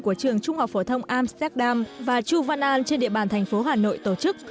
của trường trung học phổ thông amsterdam và chu văn an trên địa bàn thành phố hà nội tổ chức